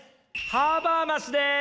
ハーバーマスです！